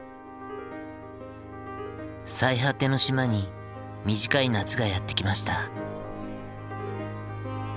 最果ての島に短い夏がやって来ました。